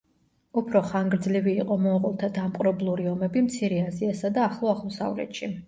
უფრო ხანგრძლივი იყო მონღოლთა დამპყრობლური ომები მცირე აზიასა და ახლო აღმოსავლეთში.